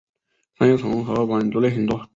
三叶虫和腕足类很多。